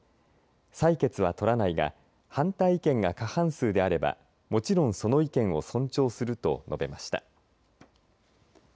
採決は取らないが反対意見が過半数であればもちろん、その意見を尊重すると述べました。